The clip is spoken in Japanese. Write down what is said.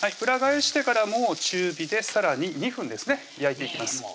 裏返してからも中火でさらに２分ですね焼いていきます